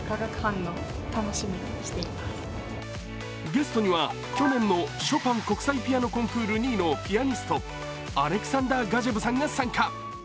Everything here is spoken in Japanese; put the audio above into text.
ゲストには去年のショパン国際ピアノコンクール２位のピアニスト、アレクサンダー・ガジェヴさんが参加。